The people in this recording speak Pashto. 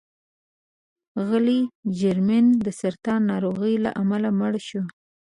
اغلې جرمین د سرطان ناروغۍ له امله مړه شوه.